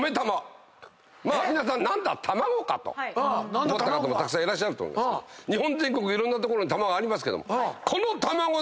「なんだ卵か」と思った方もたくさんいると思いますけど日本全国いろんな所に卵ありますけども。